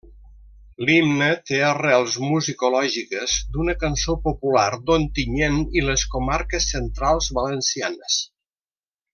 L'himne té arrels musicològiques d'una cançó popular d'Ontinyent i les comarques centrals valencianes.